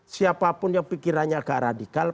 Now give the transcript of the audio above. siapapun yang pikirannya agak radikal